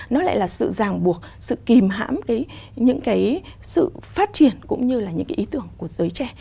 nó lại là sự ràng buộc sự kìm hãm những cái sự phát triển cũng như là những cái ý tưởng của giới trẻ